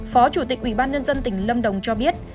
phó chủ tịch ủy ban nhân dân tỉnh lâm đồng cho biết